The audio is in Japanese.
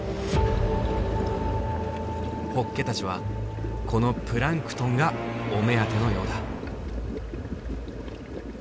ホッケたちはこのプランクトンがお目当てのようだ。